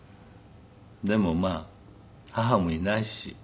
でもまあ母もいないし。